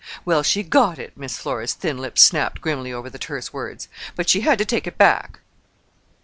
"Well, she got it." Miss Flora's thin lips snapped grimly over the terse words. "But she had to take it back."